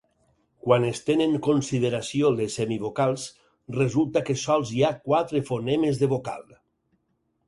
Quan es tenen consideració les semivocals, resulta que sols hi ha quatre fonemes de vocal.